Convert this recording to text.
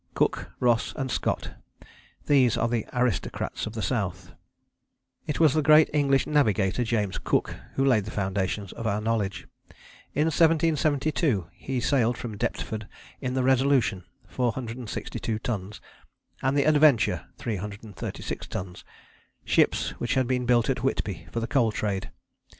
Cook, Ross and Scott: these are the aristocrats of the South. It was the great English navigator James Cook who laid the foundations of our knowledge. In 1772 he sailed from Deptford in the Resolution, 462 tons, and the Adventure, 336 tons, ships which had been built at Whitby for the coal trade.